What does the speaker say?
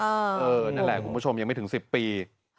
เออเออนั่นแหละคุณผู้ชมยังไม่ถึงสิบปี